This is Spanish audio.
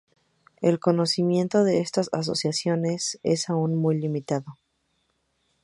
El conocimiento de estas asociaciones es aún muy limitado.